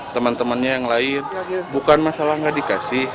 teman temannya yang lain bukan masalah nggak dikasih